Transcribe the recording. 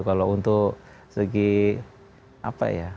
kalau untuk segi apa ya